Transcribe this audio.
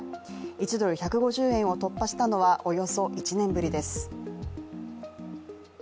１ドル＝１５０円を突破したのはおよそ１年ぶりです。